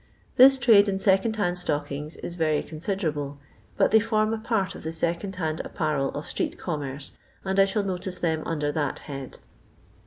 The trade in second hand stockings is very con siderable, but they form a part of the second hand apparel of street commerce, and I shall notice them under that head.